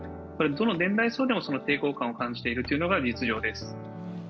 どの年代層でも抵抗感を感じているのが実情です。